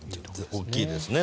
大きいですね